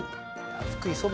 福井そば